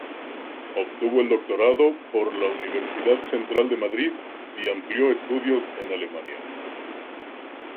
Obtuvo el doctorado por la Universidad Central de Madrid, y amplió estudios en Alemania.